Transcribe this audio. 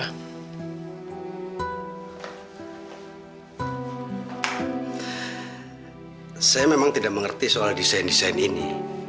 saya memang tidak mengerti soal desain desain ini